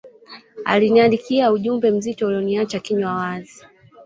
aliniandikia ujumbe mzito uliyoniacha kinywa wazi